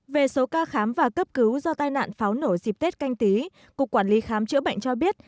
về số ca khám và cấp cứu do tai nạn pháo nổ dịp tết canh tí cục quản lý khám chữa bệnh cho biết